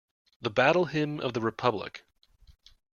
The Battle Hymn of the Republic.